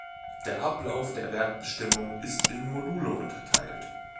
Der Ablauf der Wertbestimmung ist in Module unterteilt.